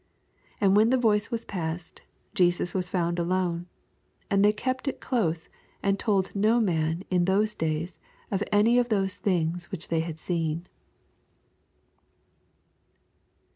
86 And when the voice was past^ Jesus was found alone. And they kept U close, and told no man in those days any of those things which they had seen.